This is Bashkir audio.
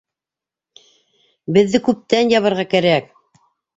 Беҙҙе күптән ябырға кәрәк!